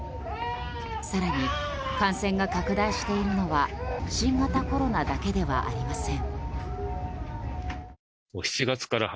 更に、感染が拡大しているのは新型コロナだけではありません。